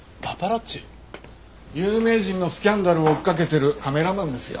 有名人のスキャンダルを追っかけてるカメラマンですよ。